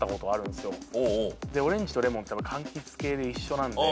でオレンジとレモンってかんきつ系で一緒なんで。